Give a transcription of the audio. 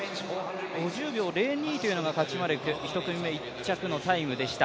５０秒０２というのがカチュマレク１組目、１着のタイムでした。